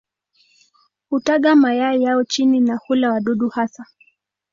Hutaga mayai yao chini na hula wadudu hasa.